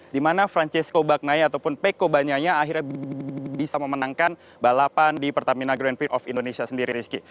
di mana francesco bagnaia ataupun peko bagnania akhirnya bisa memenangkan balapan di pertamina grand prix of indonesia sendiri